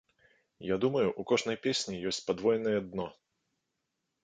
Я думаю, у кожнай песні ёсць падвойнае дно.